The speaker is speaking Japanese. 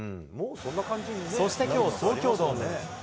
そしてきょう、東京ドーム。